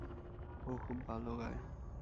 ও খুব ভালো গায়।